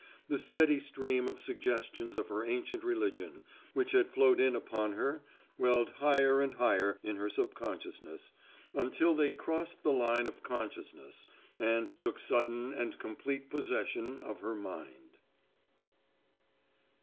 The steady stream of suggestions of her ancient religion which had flowed in upon her welled higher and higher in her subconsciousness until they crossed the line of consciousness and took sudden and complete possession of her mind.